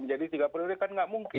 jadi tiga periode kan nggak mungkin